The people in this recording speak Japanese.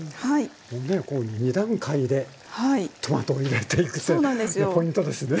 もうねこう２段階でトマトを入れていくってもうポイントですね。